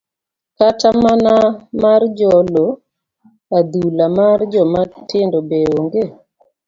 kata mana mar jolo adhula mar joma tindo be onge?